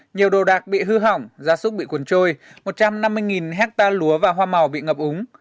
nhiều đồ đạc bị hư hỏng gia súc bị cuốn trôi một trăm năm mươi hectare lúa và hoa màu bị ngập úng